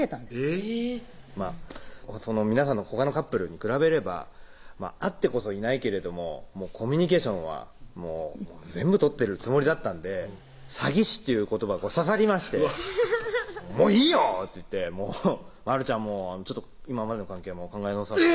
えぇっ皆さんのほかのカップルに比べれば会ってこそいないけれどもコミュニケーションは全部取ってるつもりだったんで詐欺師っていう言葉が刺さりまして「もういいよ！」って言って「まるちゃんもう今までの関係も考え直させて」